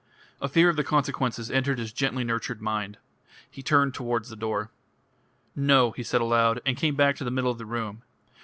A fear of the consequences entered his gently nurtured mind. He turned towards the door. "No," he said aloud, and came back to the middle of the room.